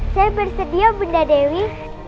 saya bersedia bunda dewi